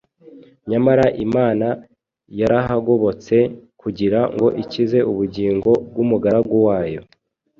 Nyamara Imana yarahagobotse kugira ngo ikize ubugingo bw’umugaragu wayo